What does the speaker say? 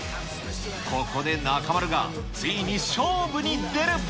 ここで中丸がついに勝負に出る。